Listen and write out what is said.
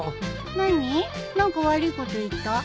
何か悪いこと言った？